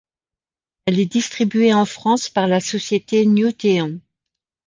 Elle est distribuée en France par la société Newteon.